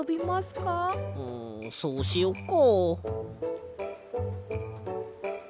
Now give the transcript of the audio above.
んそうしよっか。